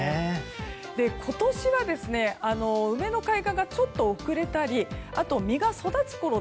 今年は梅の開花がちょっと遅れたり実が育つころ